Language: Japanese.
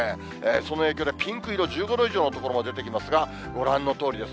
その影響でピンク色、１５度以上の所も出てきますが、ご覧のとおりです。